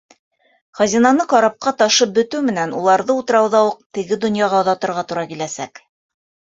Хазинаны карапҡа ташып бөтөү менән уларҙы утрауҙа уҡ теге донъяға оҙатырға тура киләсәк.